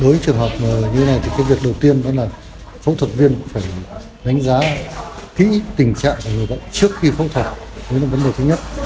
đối với trường hợp như thế này thì cái việc đầu tiên đó là phẫu thuật viên phải đánh giá thí tình trạng của người bệnh trước khi phẫu thuật đó là vấn đề thứ nhất